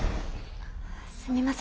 すみません